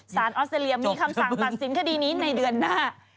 ออสเตรเลียมีคำสั่งตัดสินคดีนี้ในเดือนหน้า